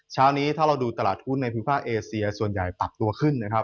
เช้านี้ถ้าเราดูตลาดหุ้นในภูมิภาคเอเซียส่วนใหญ่ปรับตัวขึ้นนะครับ